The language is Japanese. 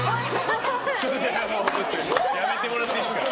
やめてもらっていいですか。